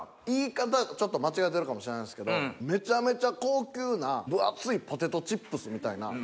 言い方ちょっと間違えてるかもしれないんですけどめちゃめちゃ高級な分厚いポテトチップスみたいな。